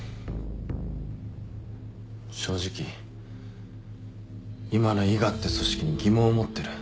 正直今の伊賀って組織に疑問を持ってる。